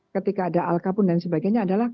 ketika ada alkapun dan sebagainya adalah